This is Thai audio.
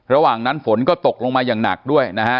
ระหว่างนั้นฝนก็ตกลงมาอย่างหนักด้วยนะฮะ